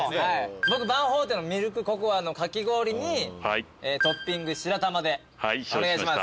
僕バンホーテンのミルクココアのかき氷にトッピング白玉でお願いします。